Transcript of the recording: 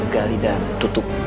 gali dan tutup